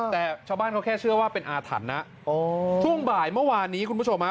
แต่ชาวบ้านเขาแค่เชื่อว่าเป็นอาถรรพ์นะช่วงบ่ายเมื่อวานนี้คุณผู้ชมฮะ